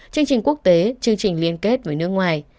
chương trình quốc tế chương trình liên kết với nước ngoài